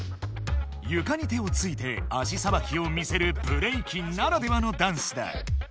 ゆかに手をついて足さばきを見せるブレイキンならではのダンスだ。